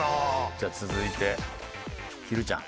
じゃあ続いてひるちゃん。